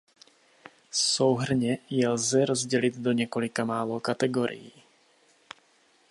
Souhrnně je lze rozdělit do několika málo kategorií.